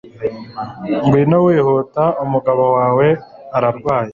Ngwino wihuta umugabo wawe ararwaye